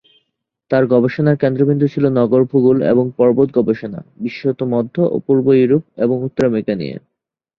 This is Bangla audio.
তার গবেষণার কেন্দ্রবিন্দু ছিলো নগর ভূগোল এবং পর্বত গবেষণা, বিশেষত মধ্য ও পূর্ব ইউরোপ এবং উত্তর আমেরিকা নিয়ে।